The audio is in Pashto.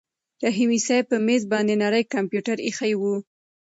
رحیمي صیب په مېز باندې نری کمپیوټر ایښی و.